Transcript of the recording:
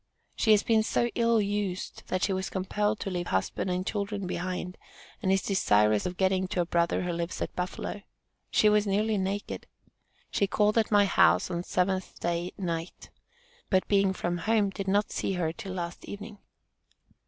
She has been so ill used, that she was compelled to leave husband and children behind, and is desirous of getting to a brother who lives at Buffalo. She was nearly naked. She called at my house on 7th day night, but being from home, did not see her till last evening.